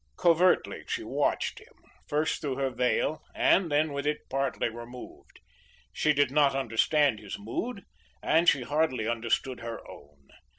Covertly she watched him; first through her veil, and then with it partly removed. She did not understand his mood; and she hardly understood her own.